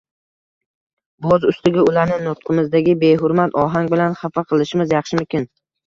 boz ustiga ularni nutqimizdagi behurmat ohang bilan xafa qilishimiz yaxshimikin?